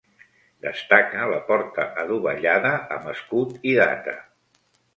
Destaca la porta adovellada amb escut i data.